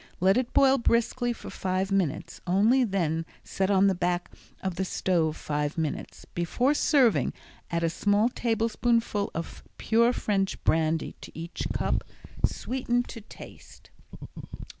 Let it boil briskly for five minutes only then set on the back of the stove five minutes. Before serving add a small tablespoonful of pure French brandy to each cup. Sweeten to taste.